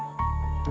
baik pak gerang